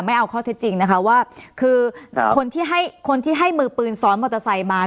ไม่เอาข้อเท็จจริงนะคะว่าคือคนที่ให้คนที่ให้มือปืนซ้อนมอเตอร์ไซค์มา